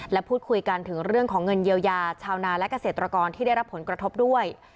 และพูดคุยกันถึงเรื่องของเงินเยียวยาชาวนาและเกษตรกรที่ได้รับผลกระทบด้วย